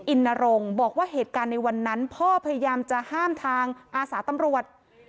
อินนรงค์บอกว่าเหตุการณ์ในวันนั้นพ่อพยายามจะห้ามทางอาสาตำรวจ